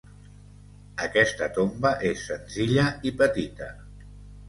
Aquesta tomba és senzilla i petita.